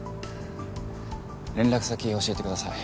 連絡先教えてください。